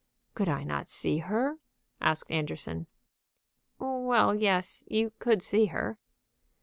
"Could I not see her?" asked Anderson. "Well, yes; you could see her."